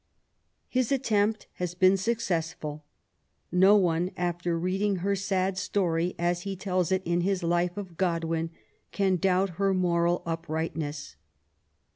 His attempt has been successful. No one after reading her sad story as he tells it in his Life of Godwin, can doubt her moral uprightness.